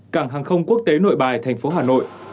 cảng hàng không quốc tế nội bài thành phố hà nội